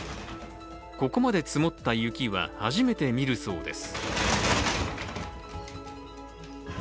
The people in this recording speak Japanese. ここまで積もった雪は初めて見るそうです。